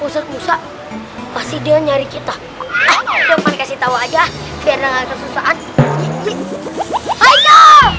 sampai jumpa di video selanjutnya